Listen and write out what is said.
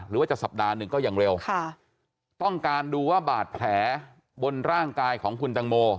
หรือว่าจะสัปดาห์หนึ่งก็ยังเร็วค่ะต้องการดูว่าบาดแผลบนร่างกายของคุณตังโม